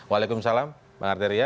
waalaikumsalam pak arteria